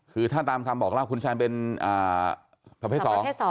คือถ้าตามคำบอกแล้วคุณแซนเป็นภาพแพทย์สอง